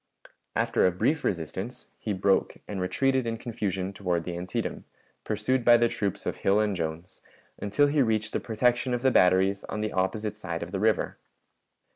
After a brief resistance, he broke and retreated in confusion toward the Antietam, pursued by the troops of Hill and Jones, until he reached the protection of the batteries on the opposite side of the river.